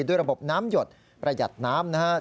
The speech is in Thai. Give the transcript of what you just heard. ด้วยระบบน้ำหยดประหยัดน้ำนะครับ